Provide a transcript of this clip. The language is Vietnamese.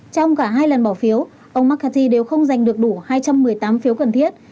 trong cả hai lần bỏ phiếu ông mccarthy đều không giành được đủ hai trăm một mươi tám phiếu cần thiết